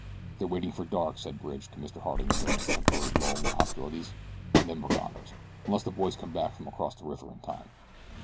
"They're waiting for dark," said Bridge to Mr. Harding during a temporary lull in the hostilities, "and then we're goners, unless the boys come back from across the river in time."